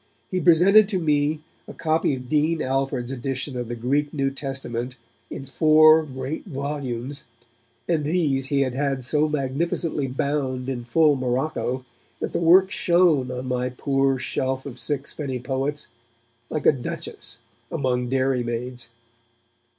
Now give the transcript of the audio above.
He presented to me a copy of Dean Alford's edition of the Greek New Testament, in four great volumes, and these he had had so magnificently bound in full morocco that the work shone on my poor shelf of sixpenny poets like a duchess among dairy maids.